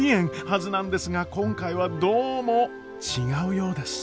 はずなんですが今回はどうも違うようです。